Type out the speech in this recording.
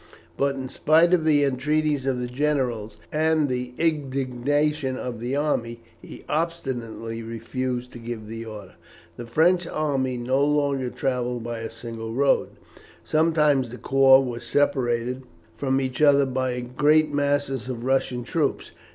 But, in spite of the entreaties of the generals and the indignation of the army, he obstinately refused to give the order. The French army no longer travelled by a single road; sometimes the corps were separated from each other by great masses of Russian troops.